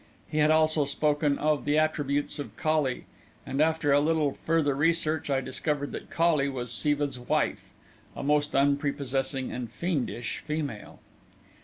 He had also spoken of the attributes of Kali, and, after a little further search, I discovered that Kali was Siva's wife a most unprepossessing and fiendish female.